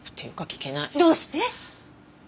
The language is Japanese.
どうして？